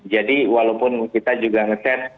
jadi walaupun kita juga nge test